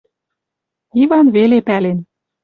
Иван веле пӓлен.